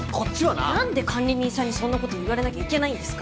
なんで管理人さんにそんな事言われなきゃいけないんですか？